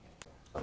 あ？